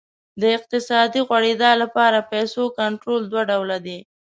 د اقتصادي غوړېدا لپاره پیسو کنټرول دوه ډوله دی.